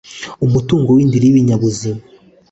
umutungo w indiri y ibinyabuzima